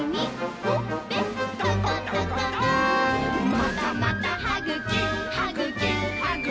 「またまたはぐき！はぐき！はぐき！